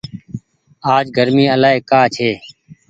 آج گرمي الآئي ڪآ ڇي۔